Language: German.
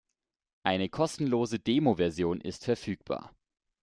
Eine kostenlose Demo-Version ist verfügbar.